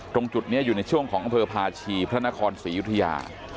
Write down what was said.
ตรงจุดนี้อยู่ในช่วงของอำเภอพาชีพระนครศรียุธยา